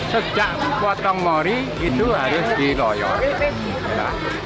sejak potong mori itu harus diloyor